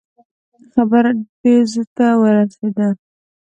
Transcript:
خبره ډزو ته ورسېده.